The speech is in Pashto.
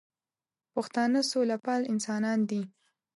پښتانه سوله پال انسانان دي